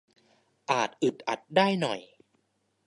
อาจอึดอัดได้หน่อย